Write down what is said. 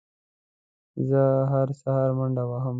زه هره سهار منډه وهم